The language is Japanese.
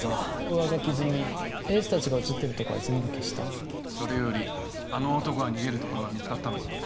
上書き済みエース達が写ってるとこは全部消したそれよりあの男が逃げるところは見つかったのか？